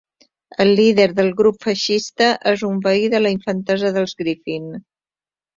El líder del grup feixista és un veí de la infantesa dels Griffin.